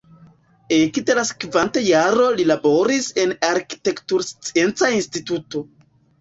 Ekde la sekvanta jaro li laboris en arkitekturscienca instituto.